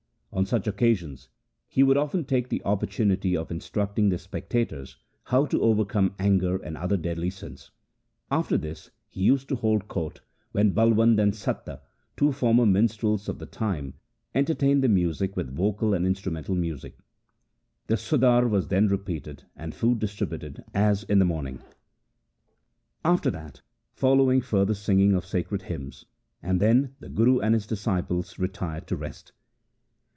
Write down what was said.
On such occasions he would often take the opportunity of in structing the spectators how to overcome anger and other deadly sins. After this he used to hold court, 1 Majh ki War. 16 THE SIKH RELIGION when Balwand and Satta, two famous minstrels of the time, entertained the company with vocal and instrumental music. The Sodar was then repeated and food distributed as in the morning. After that followed further singing of sacred hymns, and then the Guru and his disciples retired to rest.